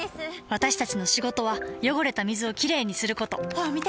私たちの仕事は汚れた水をきれいにすることホアン見て！